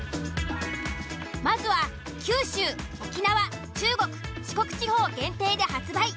まずは九州沖縄中国四国地方限定で発売。